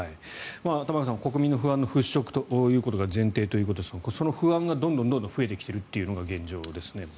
玉川さん国民の不安の払しょくが前提ということですがその不安がどんどん増えてきているというのが現状ですね。